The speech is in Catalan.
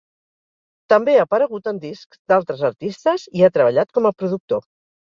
També ha aparegut en discs d'altres artistes i ha treballat com a productor.